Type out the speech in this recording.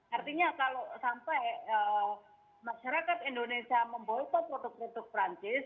artinya kalau sampai masyarakat indonesia memboykot produk produk perancis